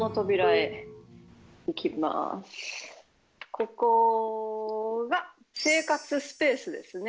ここが生活スペースですね